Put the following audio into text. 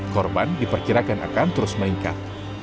korban diperkirakan akan terus meningkat